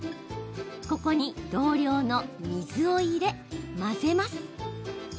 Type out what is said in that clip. ここに同量の水を入れ、混ぜます。